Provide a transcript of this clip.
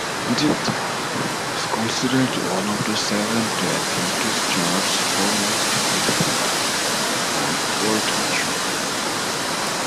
Dybdahl is considered one of the Seventh-day Adventist church's foremost experts on world mission.